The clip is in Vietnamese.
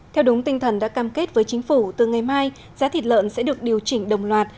theo đúng tinh thần đã cam kết với chính phủ từ ngày mai giá thịt lợn sẽ được điều chỉnh đồng loạt